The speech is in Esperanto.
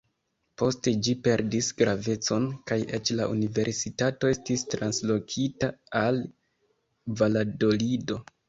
Poste ĝi perdis gravecon, kaj eĉ la universitato estis translokita al Valadolido.